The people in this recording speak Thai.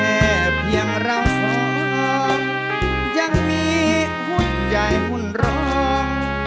เพียงเราสองยังมีหุ้นใหญ่หุ้นรอง